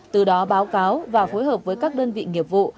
từ đó báo cáo và phối hợp với các đơn vị nghiệp vụ